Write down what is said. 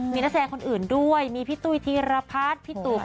มีหน้าแสดงคนอื่นด้วยมีพี่ตุ๊ยธีรภัทรพี่ตุ๋ครบธร